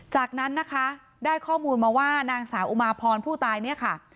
จากนั้นนะคะได้ข้อมูลมาว่านางสาวอุมาพรผู้ตายเนี่ยค่ะ